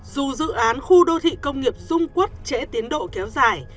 dù dự án khu đô thị công nghiệp dung quốc trễ tiến độ kéo dài